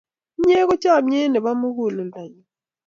inye ko chamiet nepo muguleldo nyu